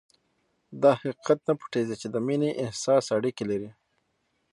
دا حقيقت نه پټېږي چې د مينې احساس اړيکې لري.